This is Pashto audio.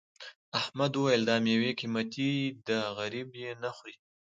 احمد وویل دا میوه قيمتي ده غريب یې نه خوري.